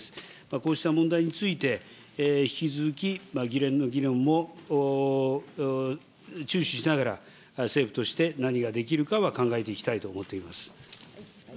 こうした問題について、引き続き議連の議論も注視しながら政府として何ができるかは考えていきたいと思っています。